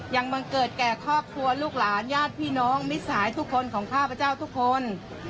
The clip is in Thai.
บังเกิดแก่ครอบครัวลูกหลานญาติพี่น้องมิสัยทุกคนของข้าพเจ้าทุกคน